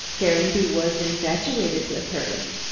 Caranby was infatuated with her.